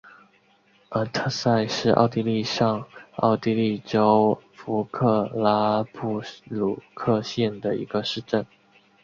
阿特塞是奥地利上奥地利州弗克拉布鲁克县的一个市镇。